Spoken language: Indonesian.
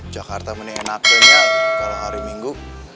jakarta mending enak deh nya kalau hari minggu